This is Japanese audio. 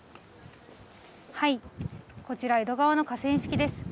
こちら江戸川の河川敷です。